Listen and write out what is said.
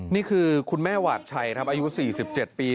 นี่คือคุณแม่หวาดชัยครับอายุ๔๗ปี